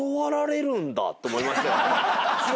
て思いましたよ。